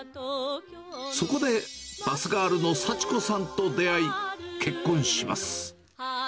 そこでバスガールの幸子さんと出会い、結婚します。